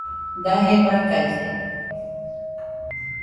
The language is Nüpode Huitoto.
Daje fakaise